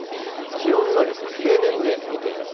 気温の平年で見てみます。